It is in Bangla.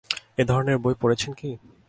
এই ধরণের বই পড়েছেন কি?